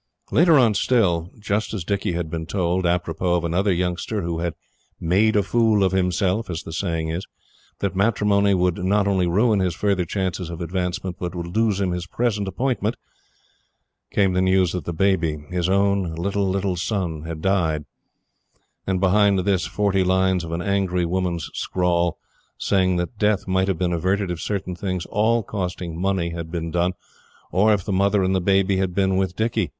Later on still just as Dicky had been told apropos of another youngster who had "made a fool of himself," as the saying is that matrimony would not only ruin his further chances of advancement, but would lose him his present appointment came the news that the baby, his own little, little son, had died, and, behind this, forty lines of an angry woman's scrawl, saying that death might have been averted if certain things, all costing money, had been done, or if the mother and the baby had been with Dicky.